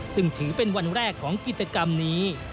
ซึ่งถือเป็นวันแรกของกิจกรรมนี้